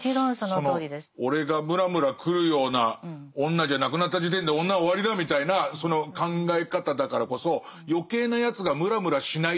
俺がムラムラくるような女じゃなくなった時点で女は終わりだみたいなその考え方だからこそ余計なやつがムラムラしないでくれるようになると楽になるみたいな。